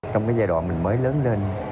trong giai đoạn mình mới lớn lên